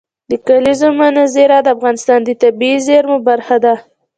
د کلیزو منظره د افغانستان د طبیعي زیرمو برخه ده.